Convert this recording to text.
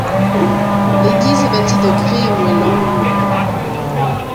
L'église est bâtie de grès et moellons enduits.